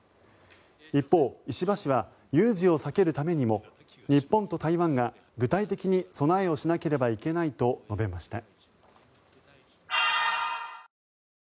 一方、石破氏は有事を避けるためにも日本と台湾が具体的に備えをしなければいけないと述べました。